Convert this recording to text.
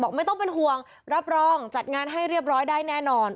ไม่ต้องเป็นห่วงรับรองจัดงานให้เรียบร้อยได้แน่นอน